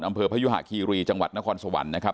พยุหะคีรีจังหวัดนครสวรรค์นะครับ